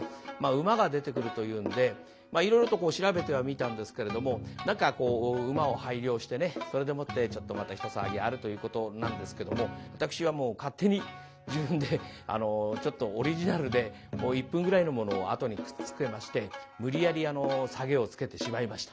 馬が出てくるというんでいろいろと調べてはみたんですけれども何かこう馬を拝領してねそれでもってちょっとまた一騒ぎあるということなんですけども私はもう勝手に自分でちょっとオリジナルで１分ぐらいのものをあとにくっつけまして無理やりサゲをつけてしまいました。